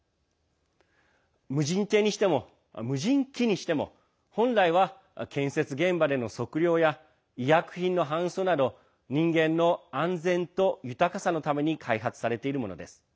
無人艇にしても無人機にしても本来は建設現場での測量や医薬品の搬送など人間の安全と豊かさのために開発されているものです。